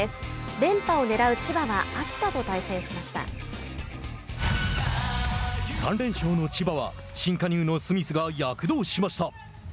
連覇をねらう千葉は３連勝の千葉は新加入のスミスが躍動しました。